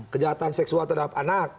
kejahatan seksual terhadap anak